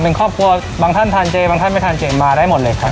เป็นครอบครัวบางท่านทานเจบางท่านไปทานเจมาได้หมดเลยครับ